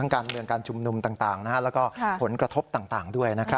การเมืองการชุมนุมต่างและผลกระทบต่าง